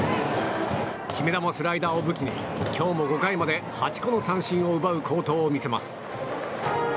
決め球、スライダーを武器に今日も５回まで８個の三振を奪う好投を見せます。